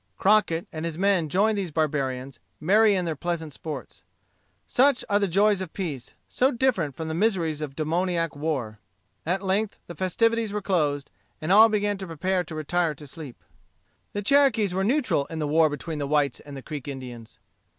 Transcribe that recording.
Crockett and his men joined these barbarians, merry in their pleasant sports. Such are the joys of peace, so different from the miseries of demoniac war. At length the festivities were closed, and all began to prepare to retire to sleep. The Cherokees were neutral in the war between the whites and the Creek Indians.